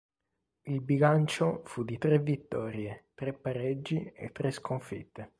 Il bilancio fu di tre vittorie, tre pareggi e tre sconfitte.